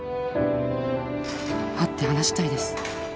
「会って話したいです」